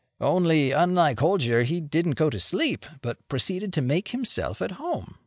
Only, unlike Holger, he didn't go to sleep, but proceeded to make himself at home.